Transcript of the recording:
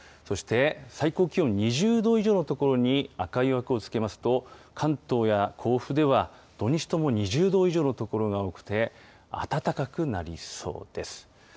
そして最高気温２０度以上の所に赤い枠をつけますと、関東や甲府では、土日とも２０度以上の所が多くて、暖かくなりそうです。